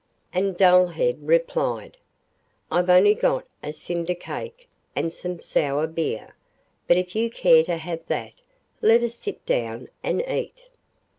And Dullhead replied: 'I've only got a cinder cake and some sour beer, but if you care to have that, let us sit down and eat.